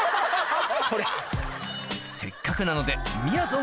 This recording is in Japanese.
せっかくなのでみやぞんが